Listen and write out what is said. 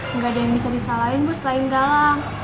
nggak ada yang bisa disalahin bu selain galang